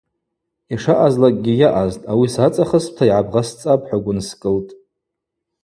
Йшаъазлакӏгьи йаъазтӏ, ауи сацӏахыспӏта йгӏабгъасцӏапӏ – хӏва гвынскӏылтӏ.